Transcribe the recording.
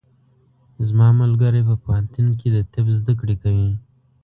زما ملګری په پوهنتون کې د طب زده کړې کوي.